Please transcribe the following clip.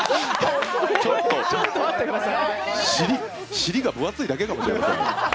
尻が分厚いだけかもしれない。